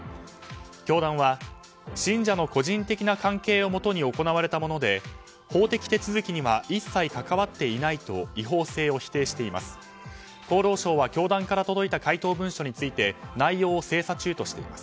教団は信者の個人的な関係をもとに行われたもので、法的手続きには一切関わっていないと違法性を否定しています。